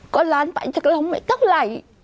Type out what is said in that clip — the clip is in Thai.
ก็ล้านไปจากเราไม่เท่าไหร่